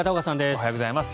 おはようございます。